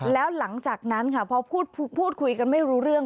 แล้วหลังจากนั้นค่ะพอพูดคุยกันไม่รู้เรื่อง